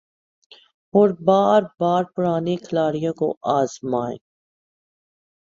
اور بار بار پرانے کھلاڑیوں کو آزمانے